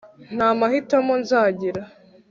nta mahitamo nzagira